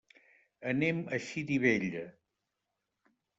Anem a Xirivella.